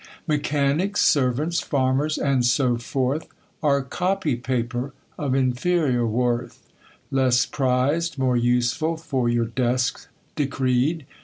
Mechanics, servants, farmers, and so forth, Are copy paper of inferior worth ; Less priz'd, more useful, for your desk decreed.